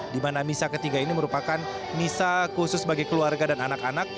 di mana misa ketiga ini merupakan misa khusus bagi keluarga dan anak anak